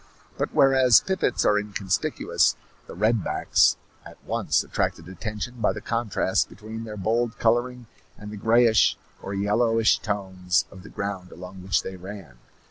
But whereas pipits are inconspicuous, the red backs at once attracted attention by the contrast between their bold coloring and the grayish or yellowish tones of the ground along which they ran.